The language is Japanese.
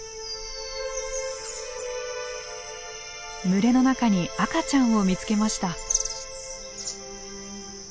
群れの中に赤ちゃんを見つけました。